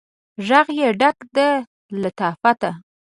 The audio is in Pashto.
ږغ یې ډک د لطافته